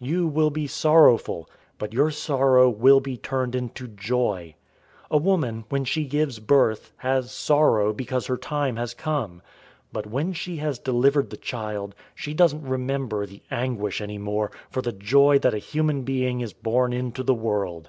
You will be sorrowful, but your sorrow will be turned into joy. 016:021 A woman, when she gives birth, has sorrow, because her time has come. But when she has delivered the child, she doesn't remember the anguish any more, for the joy that a human being is born into the world.